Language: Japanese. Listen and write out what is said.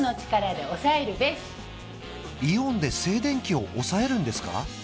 イオンで静電気を抑えるんですか？